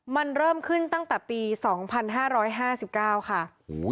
มันเริ่มขึ้นตั้งแต่ปี๒๕๕๙ค่ะ